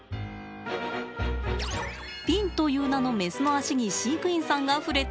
ピンという名のメスの足に飼育員さんが触れています。